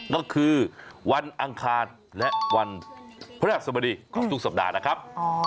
ก็คือวันอังคารและวันพระราชสมดีของทุกสัปดาห์นะครับ